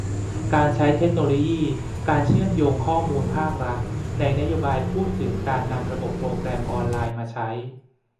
การใช้เทคโนโลยี การเชื่อมโยงข้อมูลภาครัฐ ในนโยบายพูดถึง การนำระบบโปรแกรมออนไลน์มาใช้